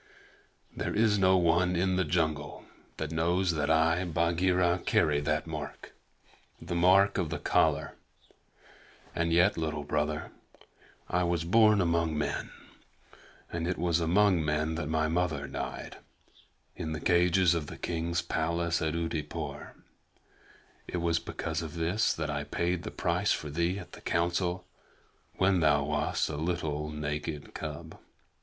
"There is no one in the jungle that knows that I, Bagheera, carry that mark the mark of the collar; and yet, Little Brother, I was born among men, and it was among men that my mother died in the cages of the king's palace at Oodeypore. It was because of this that I paid the price for thee at the Council when thou wast a little naked cub.